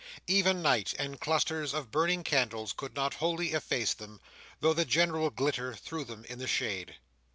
Even night, and clusters of burning candles, could not wholly efface them, though the general glitter threw them in the shade.